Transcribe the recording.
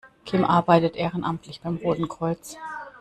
Kim arbeitet ehrenamtlich beim Roten Kreuz.